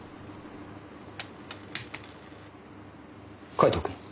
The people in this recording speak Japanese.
カイトくん。